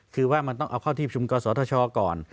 คือว่ามันต้องเอาเข้าที่ประชุมกศธชก่อน